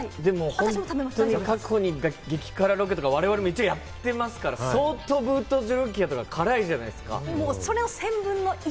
本当に一回、過去に激辛ロケとか我々やってますから、ブートジョロキアとかって相当、辛いじゃないですか。